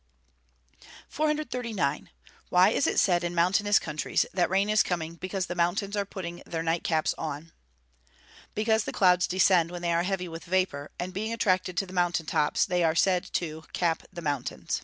439. Why is it said in mountainous countries that rain is coming, because the mountains are "putting their night caps on?" Because the clouds descend when they are heavy with vapour, and being attracted to the mountain tops they are said to "_cap the mountains."